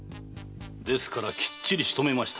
ですからきっちりしとめました。